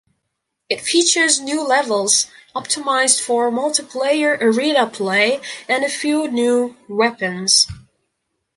It features new levels, optimized for multiplayer arena play, and a few new weapons.